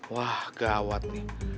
wah gawat nih